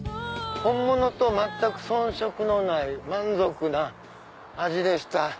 本物と全く遜色のない満足な味でした。